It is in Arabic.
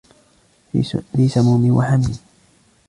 فِي سَمُومٍ وَحَمِيمٍ